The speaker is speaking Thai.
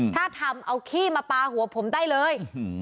ถ้าทำเอาขี้มาปลาหัวผมได้เลย